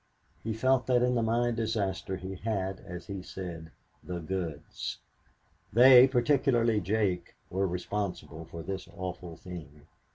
He felt that in the mine disaster he had, as he said, "the goods." They, particularly Jake, were responsible for this awful thing.